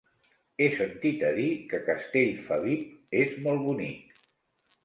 He sentit a dir que Castellfabib és molt bonic.